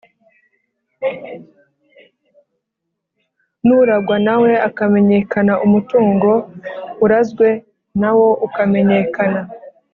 n’uragwa nawe akamenyekana, umutungo urazwe nawo ukamenyekana.